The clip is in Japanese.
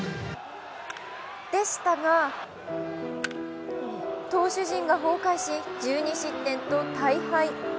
でしたが投手陣が崩壊し１２失点と大敗。